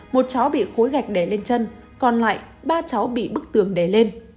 một cháu bị khối gạch đè lên chân còn lại ba cháu bị bức tường đè lên